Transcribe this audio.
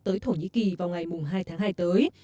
tới thổ nhĩ kỳ vào ngày hai tháng hai tới